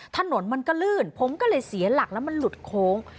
ถนนมันก็ลื่นผมก็เลยเสียหลักแล้วมันหลุดโค้ง